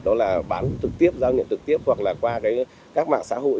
đó là bán trực tiếp giao nhận trực tiếp hoặc là qua các mạng xã hội